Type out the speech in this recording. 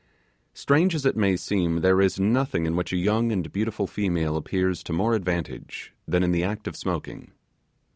Strange as it may seem, there is nothing in which a young and beautiful female appears to more advantage than in the act of smoking.